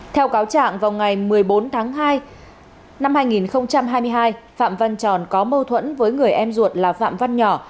theo cáo trạng vào ngày một mươi bốn tháng hai năm hai nghìn hai mươi hai phạm văn tròn có mâu thuẫn với người em ruột là phạm văn nhỏ